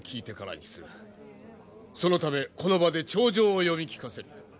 そのためこの場で牒状を読み聞かせる。